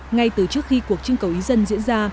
ngay từ trước khi cuộc trưng cầu ý dân diễn ra